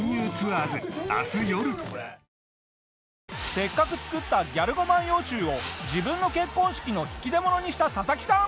せっかく作った「ギャル語万葉集」を自分の結婚式の引き出物にしたササキさん。